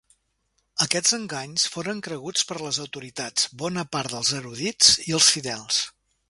Aquests enganys foren creguts per les autoritats, bona part dels erudits i els fidels.